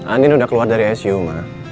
andien udah keluar dari icu ma